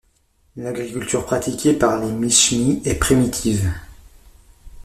L'agriculture pratiquée par les Mishmi est primitive.